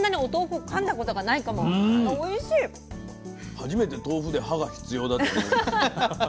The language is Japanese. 初めて豆腐で歯が必要だと思いました。